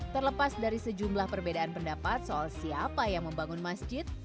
terlepas dari sejumlah perbedaan pendapat soal siapa yang membangun masjid